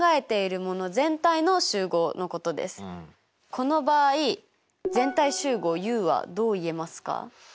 この場合全体集合Ｕはどう言えますか？